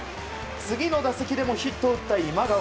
次の打席でもヒットを打った今川。